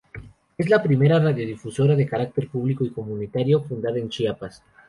Es la primera radiodifusora de carácter público y comunitario fundada en Chiapas.